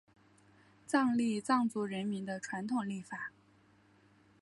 藏历藏族人民的传统历法。